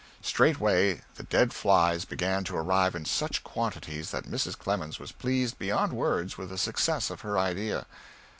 Straightway the dead flies began to arrive in such quantities that Mrs. Clemens was pleased beyond words with the success of her idea.